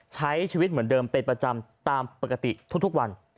ใช้ชีวิตเหมือนเดิมเป็นประจำตามปกติทุกวัน